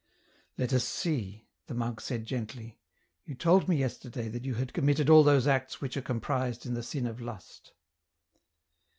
" Let us see," the monk said gently ;" you told me yesterday that you had committed all those acts which are comprised in the sin of lust."